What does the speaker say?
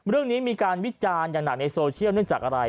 เรื่องนี้มีการวิจารณ์อย่างหนักในโซเชียลเนื่องจากอะไร